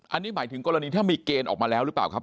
อันนี้หมายถึงกรณีถ้ามีเกณฑ์ออกมาแล้วหรือเปล่าครับ